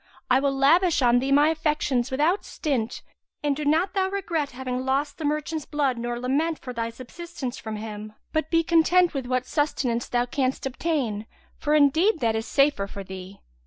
I will lavish on thee my affections without stint; and do not thou regret having lost the merchant's blood nor lament for thy subsistence from him, but be content with what sustenance thou canst obtain; for indeed that is the safer for thee.